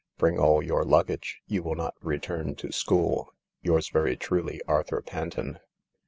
Bring all your luggage. You will not return to school. M Yours very truly, "Arthur Panton."